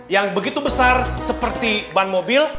yang begitu besar seperti ban mobil